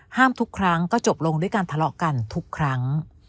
ทุกครั้งก็จบลงด้วยการทะเลาะกันทุกครั้ง